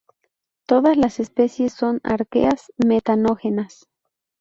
Todas las especies son arqueas metanógenas.